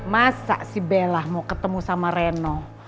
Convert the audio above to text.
masa si bella mau ketemu sama reno